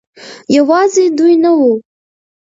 يوازې دوي نه وو